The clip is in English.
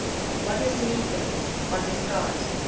What is the ego? what is God?